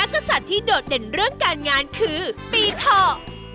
กษัตริย์ที่โดดเด่นเรื่องการงานคือปีเถาะ